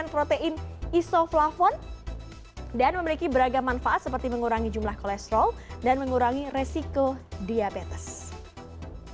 ini ada beberapa olahan tahu yang biasanya jadi makanan favorit diantaranya tahu goreng tahu isi dan pepes tahu